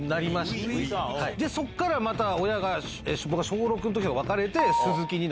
そっからまた親が僕が小６の時に別れて。